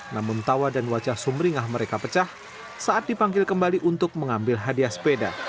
namun tawa dan wajah sumringah mereka pecah saat dipanggil kembali untuk mengambil hadiah sepeda